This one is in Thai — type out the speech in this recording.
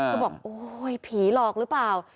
เขาบอกโอ้ยผีหลอกหรือเปล่า